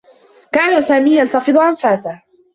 كان سامي يتلفّظ أنفاسه.